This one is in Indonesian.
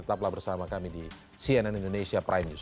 tetaplah bersama kami di cnn indonesia prime news